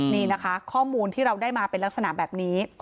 นี่นะคะข้อมูลที่เราได้มาเป็นลักษณะแบบนี้